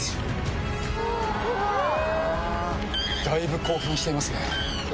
だいぶ興奮してますね。